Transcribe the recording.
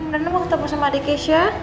rena mau ketemu sama adik kisha